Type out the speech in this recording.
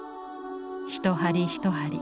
一針一針